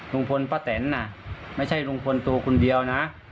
ลุงพลประเตียร์นะไม่ใช่ลุงพลตัวคนเดียวนะ